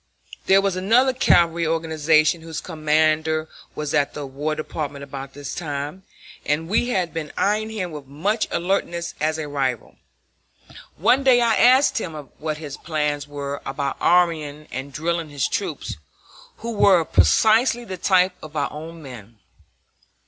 There was another cavalry organization whose commander was at the War Department about this time, and we had been eyeing him with much alertness as a rival. One day I asked him what his plans were about arming and drilling his troops, who were of precisely the type of our own men.